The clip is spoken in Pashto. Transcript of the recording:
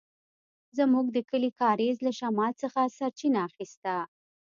زموږ د کلي کاریز له شمال څخه سرچينه اخيسته.